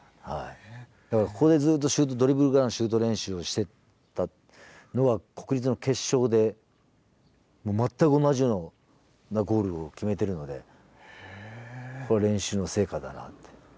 だからここでずっとドリブルからのシュート練習をしてたのは国立の決勝で全く同じようなゴールを決めてるのでこれ練習の成果だなって。